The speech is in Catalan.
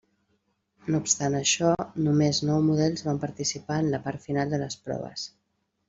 No obstant això, només nou models van participar en la part final de les proves.